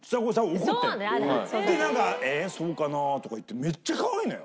で「ええそうかな？」とか言ってめっちゃかわいいのよ！